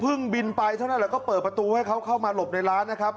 บินไปเท่านั้นแหละก็เปิดประตูให้เขาเข้ามาหลบในร้านนะครับ